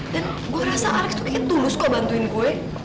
dan gue rasa alex tuh kayak tulus kok bantuin gue